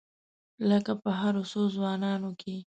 لکه په هرو څو ځوانانو کې.